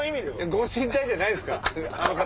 ご神体じゃないあの方。